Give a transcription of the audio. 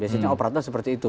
biasanya operator seperti itu